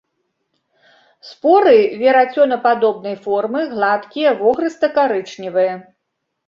Споры верацёнападобнай формы, гладкія, вохрыста-карычневыя.